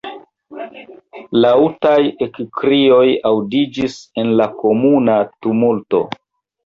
Laŭtaj ekkrioj aŭdiĝis en la komuna tumulto.